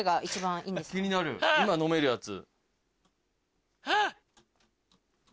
気になる今飲めるやつ。